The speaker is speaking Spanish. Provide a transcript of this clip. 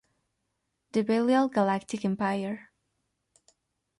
The Belial Galactic Empire".